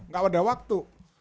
enggak ada waktu